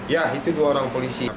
ya itu dua orang polisi